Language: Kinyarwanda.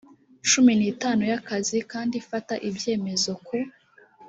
cumi nitanu yakazi kandi ifata ibyemezo ku